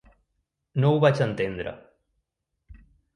No ho vaig entendre.